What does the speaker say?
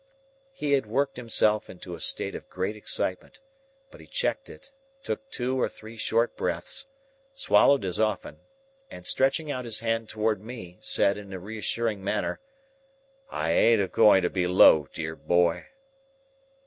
He had worked himself into a state of great excitement, but he checked it, took two or three short breaths, swallowed as often, and stretching out his hand towards me said, in a reassuring manner, "I ain't a going to be low, dear boy!"